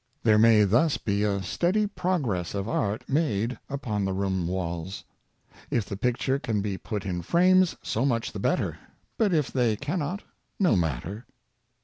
There may thus be a steady progress of art made upon the room walls If the pictures can be put in frames, so much the better, but if they can not, no matter.